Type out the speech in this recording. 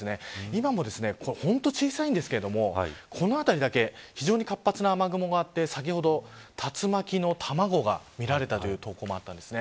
今もほんとに小さいんですけれどもこの辺りだけ非常に活発な雨雲があって先ほど竜巻の卵が見られたという所もあったんです。